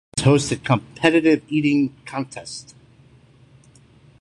The restaurant has hosted competitive eating contests.